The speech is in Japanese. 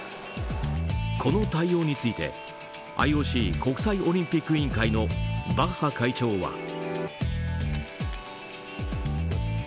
この対応についてＩＯＣ・国際オリンピック委員会のバッハ会長は。